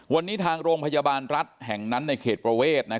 วันนี้ทางโรงพยาบาลรัฐแห่งนั้นในเขตประเวท